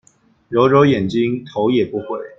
揉揉眼睛頭也不回